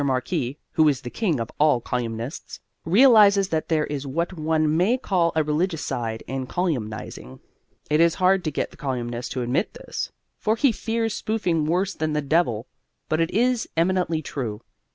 Marquis, who is the king of all colyumists, realizes that there is what one may call a religious side in colyumizing. It is hard to get the colyumist to admit this, for he fears spoofing worse than the devil; but it is eminently true.